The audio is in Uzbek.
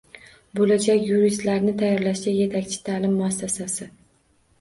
Bo‘lajak yuristlarni tayyorlashda yetakchi ta’lim muassasasi